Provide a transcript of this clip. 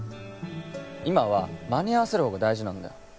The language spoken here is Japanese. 今は間に合わせるほうが大事なんだよ